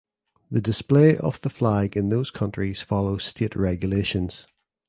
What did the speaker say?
The display of the flag in those countries follows state regulations.